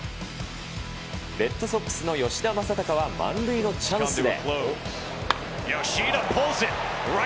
レッドソックスの吉田正尚は満塁のチャンスで。